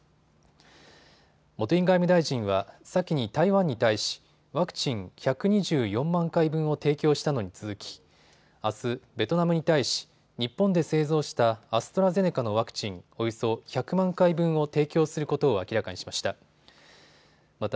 茂木外務大臣は先に台湾に対しワクチン１２４万回分を提供したのに続きあすベトナムに対し日本で製造したアストラゼネカのワクチンおよそ１００万回分を提供することを明らかにしました。